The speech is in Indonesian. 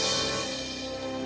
agar kau setuju